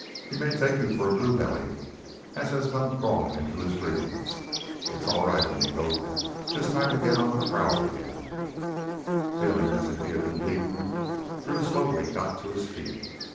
He may take you for a blue belly as has come crawlin' into his dreams. It's all right, amigo jus' time to git on the prowl again." Feeling as if he had been beaten, Drew slowly got to his feet.